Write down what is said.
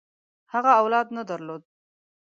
هغه اولاد نه درلود.